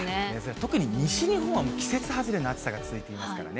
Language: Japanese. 特に西日本は、もう季節外れの暑さが続いていますからね。